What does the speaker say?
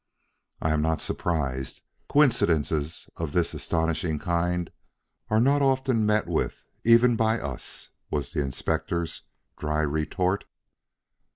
"I am not surprised. Coincidences of this astonishing kind are not often met with even by us," was the Inspector's dry retort.